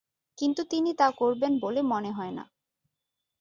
কিন্তু তিনি তা করবেন বলে মনে হয় না।